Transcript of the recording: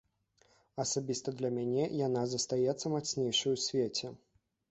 Асабіста для мяне яна застаецца мацнейшай у свеце.